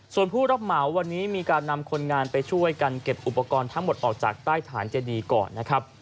ส่วนผู้รับเหมาวันนี้มีการนำคนงานไปช่วยกันเก็บอุปกรณ์ทั้งหมดออกจากใต้ฐานเจดีก่อนนะครับ